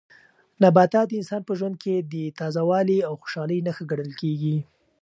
نباتات د انسان په ژوند کې د تازه والي او خوشالۍ نښه ګڼل کیږي.